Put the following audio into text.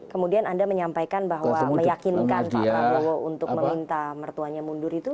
kemudian anda menyampaikan bahwa meyakinkan pak prabowo untuk meminta mertuanya mundur itu